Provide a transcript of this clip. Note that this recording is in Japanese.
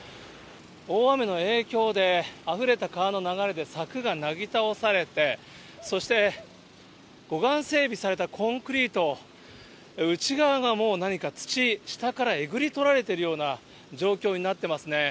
大雨の影響であふれた川の流れで柵がなぎ倒されて、そして護岸整備されたコンクリート、内側がもう何か土、下からえぐり取られているような状況になってますね。